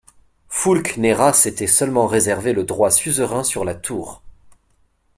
Foulques Nerra s'était seulement réservé le droit suzerain sur la tour.